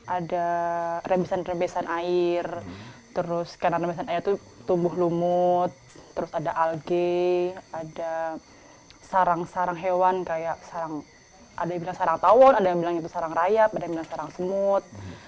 ada rebesan rebesan air terus karena rebesan air itu tumbuh lumut terus ada alge ada sarang sarang hewan kayak sarang ada yang bilang sarang tawon ada yang bilang itu sarang rayap ada yang bilang sarang semut